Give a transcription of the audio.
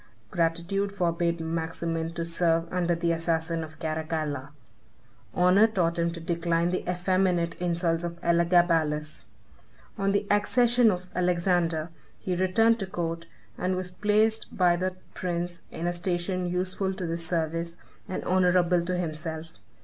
Gratitude forbade Maximin to serve under the assassin of Caracalla. Honor taught him to decline the effeminate insults of Elagabalus. On the accession of Alexander he returned to court, and was placed by that prince in a station useful to the service, and honorable to himself.